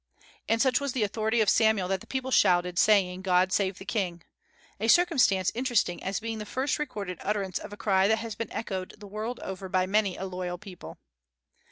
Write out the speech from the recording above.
And such was the authority of Samuel that the people shouted, saying, "God save the king!" a circumstance interesting as being the first recorded utterance of a cry that has been echoed the world over by many a loyal people.